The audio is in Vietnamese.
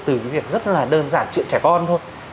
từ cái việc rất là đơn giản chuyện trẻ con thôi